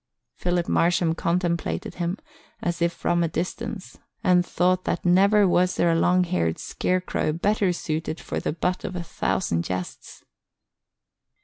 Philip Marsham contemplated him as if from a distance and thought that never was there a long haired scarecrow better suited for the butt of a thousand jests.